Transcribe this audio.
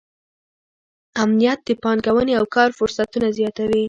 امنیت د پانګونې او کار فرصتونه زیاتوي.